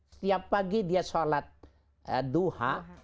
setiap pagi dia sholat duha